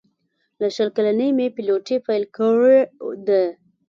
له شل کلنۍ مې پیلوټي پیل کړې ده.